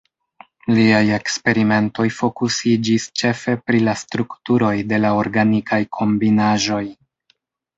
Liaj eksperimentoj fokusiĝis ĉefe pri la strukturoj de la organikaj kombinaĵoj.